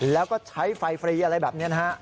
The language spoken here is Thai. แล้วก็ใช้ไฟฟรีอะไรแบบนี้นะฮะ